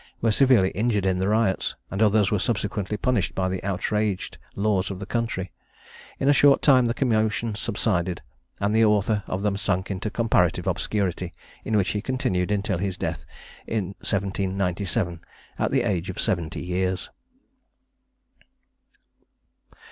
were severely injured in the riots; and others were subsequently punished by the outraged laws of the country. In a short time the commotion subsided, and the author of them sunk into comparative obscurity, in which he continued until his death in 1797, at the age of seventy years.